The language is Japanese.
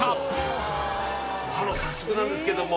早速なんですけども。